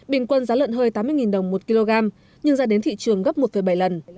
bình quân giá lợn hơi tám mươi đồng một kg nhưng ra đến thị trường gấp một bảy lần